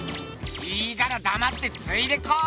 いいからだまってついてこい！